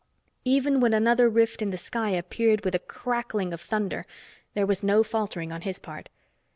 Even when another rift in the sky appeared with a crackling of thunder, there was no faltering on his part.